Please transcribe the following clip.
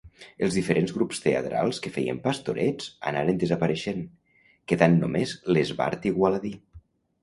Els diferents grups teatrals, que feien Pastorets, anaren desapareixent, quedant només l'Esbart Igualadí.